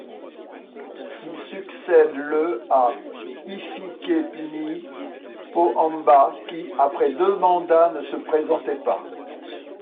Il succède le à Hifikepunye Pohamba qui après deux mandats ne se représentait pas.